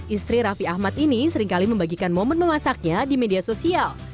istri raffi ahmad ini seringkali membagikan momen memasaknya di media sosial